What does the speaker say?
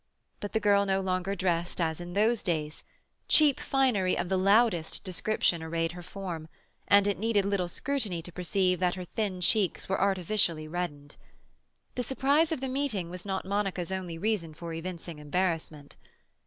But the girl no longer dressed as in those days; cheap finery of the "loudest" description arrayed her form, and it needed little scrutiny to perceive that her thin cheeks were artificially reddened. The surprise of the meeting was not Monica's only reason for evincing embarrassment.